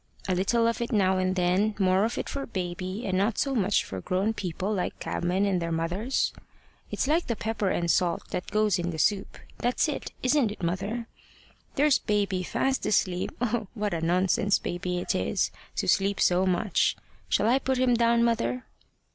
a little of it now and then; more of it for baby, and not so much for grown people like cabmen and their mothers? It's like the pepper and salt that goes in the soup that's it isn't it, mother? There's baby fast asleep! Oh, what a nonsense baby it is to sleep so much! Shall I put him down, mother?"